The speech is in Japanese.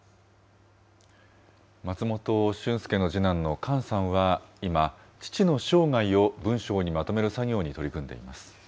松本竣介の次男の莞さんは今、父の生涯を文章にまとめる作業に取り組んでいます。